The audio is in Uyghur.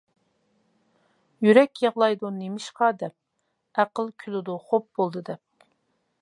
يۈرەك يىغلايدۇ «نېمىشقا؟ » دەپ، ئەقىل كۈلىدۇ «خوپ بولدى» دەپ!